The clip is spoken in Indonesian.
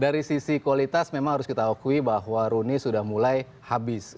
dari sisi kualitas memang harus kita akui bahwa rooney sudah mulai habis